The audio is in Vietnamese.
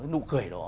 nụ cười đó